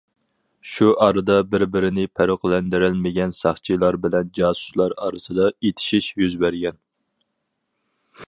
شۇ ئارىدا بىر بىرىنى پەرقلەندۈرۈلمىگەن ساقچىلار بىلەن جاسۇسلار ئارىسىدا ئېتىشىش يۈز بەرگەن.